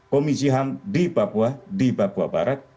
komisi ham di papua di papua barat